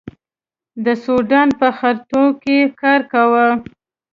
د سوډان په خرتوم کې کار کاوه.